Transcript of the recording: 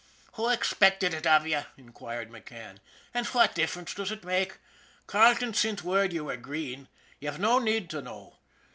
'' Who expected it av ye ?" inquired McCann. " An' fwhat difference does ut make ? Carleton sint word ye were green. Ye've no need to know.